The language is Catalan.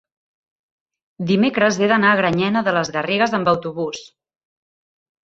dimecres he d'anar a Granyena de les Garrigues amb autobús.